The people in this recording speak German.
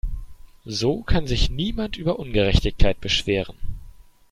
So kann sich niemand über Ungerechtigkeit beschweren.